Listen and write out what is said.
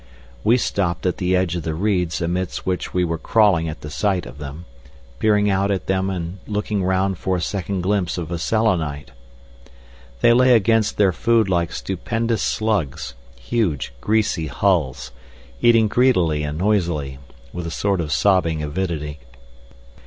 We stopped at the edge of the reeds amidst which we were crawling at the sight of them, peering out at then and looking round for a second glimpse of a Selenite. They lay against their food like stupendous slugs, huge, greasy hulls, eating greedily and noisily, with a sort of sobbing avidity.